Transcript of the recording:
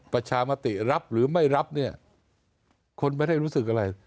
ประชามติรับหรือไม่รับเนี่ยคนไม่ได้รู้สึกอะไร